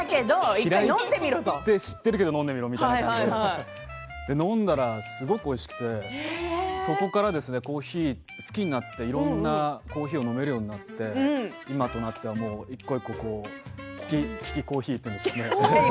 嫌いとしているけど飲んでみると飲んだらすごくおいしくてそこからコーヒーを好きになっていろんなコーヒーを飲めるようになって今となっては一個一個利きコーヒーというんですか。